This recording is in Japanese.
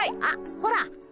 あっほら。